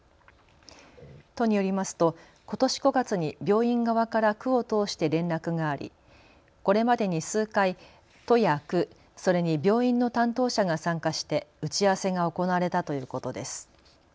都によりますと、ことし５月に病院側から区を通して連絡がありこれまでに数回、都や区、それに病院の担当者が参加して打ち合わせが行われたということです。